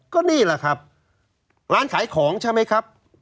ก็นี่แหละครับร้านขายของใช่ไหมครับ